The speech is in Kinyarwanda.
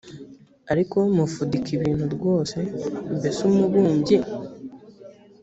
ariko mufudika ibintu rwose mbese umubumbyi